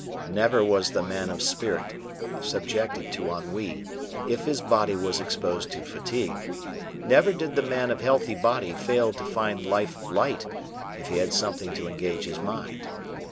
Never was the man of spirit subjected to ennui, if his body was exposed to fatigue; never did the man of healthy body fail to find life light, if he had something to engage his mind.